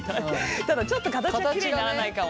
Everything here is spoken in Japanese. ただちょっと形がきれいにならないかも。